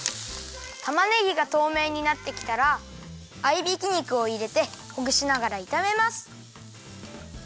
たまねぎがとうめいになってきたらあいびき肉をいれてほぐしながらいためます。